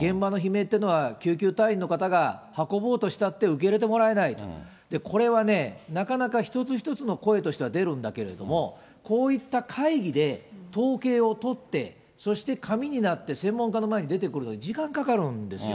現場の悲鳴というのは救急隊員の方が運ぼうとしたって受け入れてもらえない、これはね、なかなか一つ一つの声としては出るんだけれども、こういった会議で統計を取って、そして紙になって、専門家の前に出てくるのが時間かかるんですよ。